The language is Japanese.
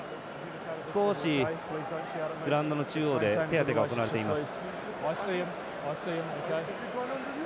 少しグラウンドの中央で手当てが行われています。